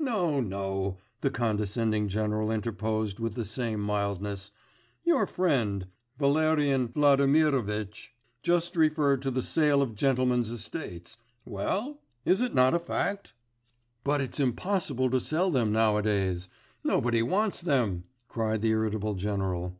'No, no,' the condescending general interposed with the same mildness, 'your friend, Valerian Vladimirovitch, just referred to the sale of gentlemen's estates. Well? Is not that a fact?' 'But it's impossible to sell them nowadays; nobody wants them!' cried the irritable general.